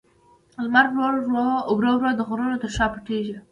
لمر ورو ورو د غرونو تر شا پټېږي.